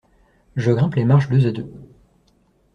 Je grimpe les marches deux à deux.